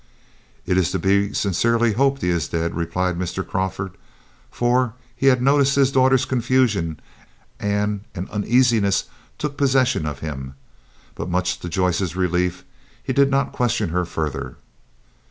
"It is to be sincerely hoped he is dead," replied Mr. Crawford, for he had noticed his daughter's confusion, and an uneasiness took possession of him. But much to Joyce's relief he did not question her further.